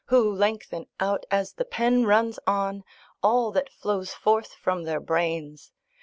who lengthen out, as the pen runs on, all that flows forth from their brains.